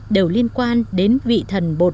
đều liên quan đến vị thần bồn mạng